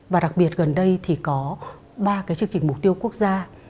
và đặc biệt gần đây thì có ba cái chương trình mục tiêu quốc gia